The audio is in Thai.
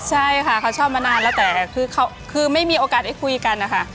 ใช่ค่ะเขาชอบมานานแล้วแต่คือไม่มีโอกาสได้คุยกันนะคะ